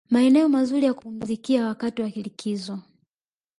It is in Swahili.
Maeneo mazuri ya kupumzikia wakati wa likizo